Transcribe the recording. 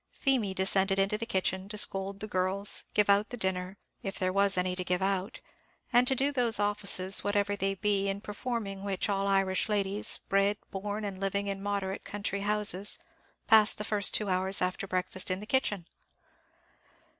Feemy descended into the kitchen, to scold the girls, give out the dinner, if there was any to give out; and to do those offices, whatever they be, in performing which all Irish ladies, bred, born, and living in moderate country houses, pass the first two hours after breakfast in the kitchen.